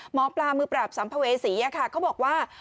หมอปลามือปราบสัมภเวษีเขาบอกว่า